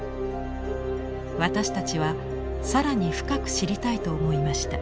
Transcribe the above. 私たちは更に深く知りたいと思いました。